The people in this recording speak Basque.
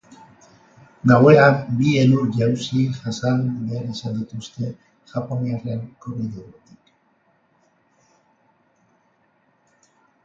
Gauean bi elur-jauzi jasan behar izan dituzte japoniarren korridoretik.